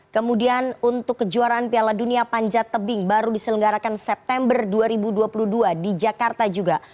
kemudian untuk kejuaraan piala dunia panjat tebing baru diselenggarakan september dua ribu dua puluh dua di jakarta juga